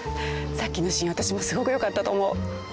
さっきのシーンあたしもすごく良かったと思う。